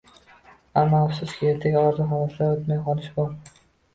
Ammo, afsuski, ertaga orzu-havaslar o‘tmay qolishi bor